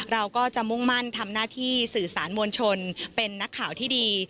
เราก็จะมุ่งมั่นทำหน้าที่สื่อสารมวลชนเป็นนักข่าวที่ดี